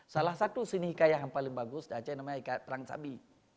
salah satu seni hikayat yang paling bagus di aceh namanya hikayat perang sabi